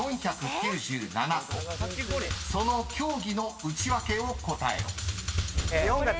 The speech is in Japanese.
［その競技のウチワケを答えろ］